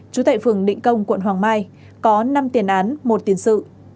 chú tệ phường định công quận hoàng mai có năm tiền án một tiền sự